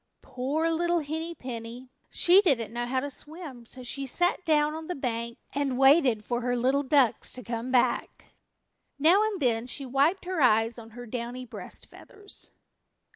Poor little Henny Penny. She didn't know how to swim, so she sat down on the bank and waited for her little ducks to come back. Now and then she wiped her eyes on her downy breast feathers.